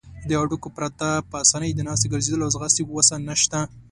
له هډوکو پرته په آسانۍ د ناستې، ګرځیدلو او ځغاستې وسه نشته.